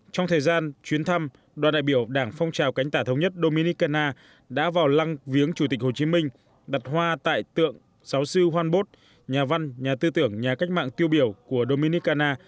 trong thời gian chuyến thăm đoàn đại biểu đảng phong trào cánh tả thống nhất dominicana đã vào lăng viếng chủ tịch hồ chí minh đặt hoa tại tượng giáo sư hoan bốt nhà văn nhà tư tưởng nhà cách mạng tiêu biểu của dominicana